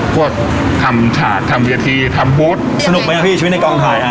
พวกทำฉาติทำเวียทีทำบูธสนุกไหมอ่ะพี่ชีวิตในกองถ่ายอ่ะ